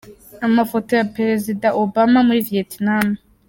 Amafoto ya Perezida Obama muri Vietnam .